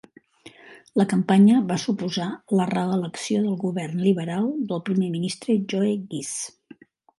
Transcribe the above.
La campanya va suposar la reelecció del govern liberal del primer ministre Joe Ghiz.